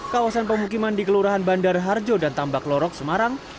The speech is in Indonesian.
kawasan pemukiman di kelurahan bandar harjo dan tambak lorok semarang